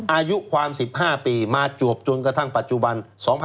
อายุความ๑๕ปีมาจวบจนกระทั่งปัจจุบัน๒๕๖๒